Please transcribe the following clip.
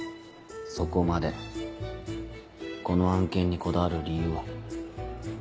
そこまでこの案件にこだわる理由は？